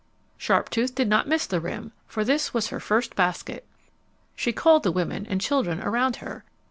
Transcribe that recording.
Sharptooth did not miss the rim, for this was her first basket. She called the women and children around her.